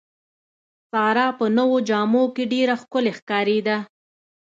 ساره په نوو جامو کې ډېره ښکلې ښکارېده.